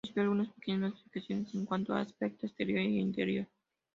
Recibió algunas pequeñas modificaciones en cuanto a aspecto exterior e interior.